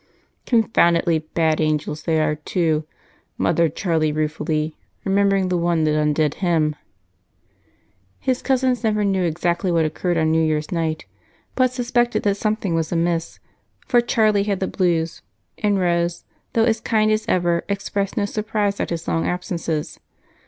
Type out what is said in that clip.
"Confoundedly bad angels they are too," muttered Charlie ruefully, remembering the one that undid him. His cousins never knew exactly what occurred on New Year's night, but suspected that something was amiss, for Charlie had the blues, and Rose, though as kind as ever, expressed no surprise at his long absences.